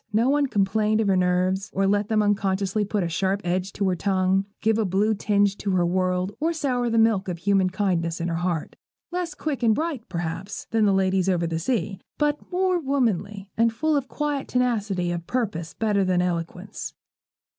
No one complained of her nerves, or let them unconsciously put a sharp edge to her tongue, give a blue tinge to the world, or sour the milk of human kindness in her heart. Less quick and bright, perhaps, than the ladies over the sea, but more womanly, and full of a quiet tenacity of purpose better than eloquence.